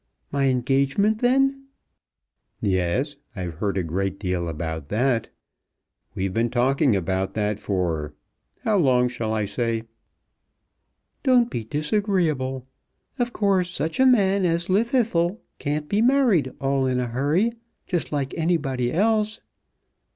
My engagement then?" "Yes; I've heard a great deal about that. We've been talking about that for how long shall I say?" "Don't be disagreeable. Of course such a man as Llwddythlw can't be married all in a hurry just like anybody else."